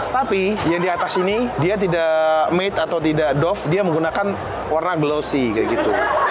tapi yang di atas ini dia tidak made atau tidak dof dia menggunakan warna glosi kayak gitu